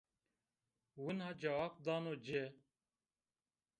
Wina cewab dano ci